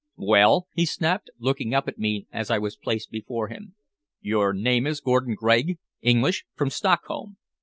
"Well?" he snapped, looking up at me as I was placed before him. "Your name is Gordon Gregg, English, from Stockholm.